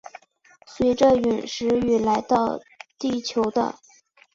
随着殒石雨来到地球的。